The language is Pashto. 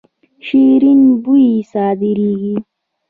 شیرین بویه صادریږي.